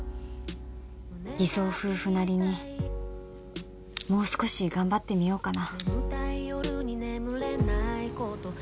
偽装夫婦なりにもう少し頑張ってみようかな